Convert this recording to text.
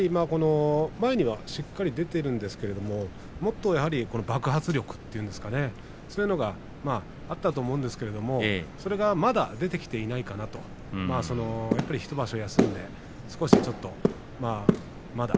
前にはしっかり出ているんですけれどやっぱりもっと爆発力というんですかねあったと思うんですけれどもそれがまだ出てきていないかなとやっぱり１場所休んで少しちょっとまだ。